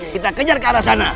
kita kejar ke arah sana